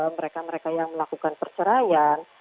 mereka mereka yang melakukan perceraian